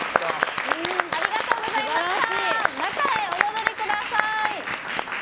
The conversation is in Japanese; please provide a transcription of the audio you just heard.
中へお戻りください。